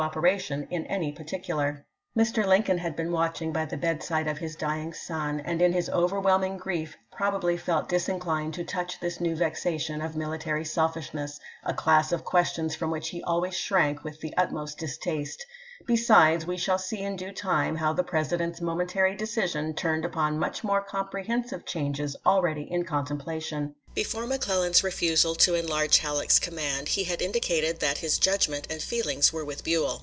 cooperation in any particular." Mr. Lincoln had been watching by the bedside of his dying son, and in his overwhelming grief probably felt disinclined to touch this new vexation of military selfishness — a class of questions from which he always shrank with the utmost distaste ; besides, we shall see in due time how the Presi dent's momentary decision turned upon much more comprehensive changes already in contemplation. Before McClellan's refusal to enlarge Halleck's command he had indicated that his judgment and feelings were with Buell.